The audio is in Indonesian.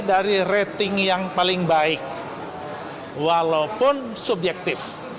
kita memilih dari rating yang paling baik walaupun subjektif